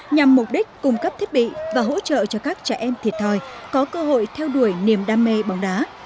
nhằm mục đích cung cấp thiết bị và hỗ trợ cho các trẻ em thiệt thòi có cơ hội theo đuổi niềm đam mê bóng đá